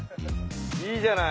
いいじゃない。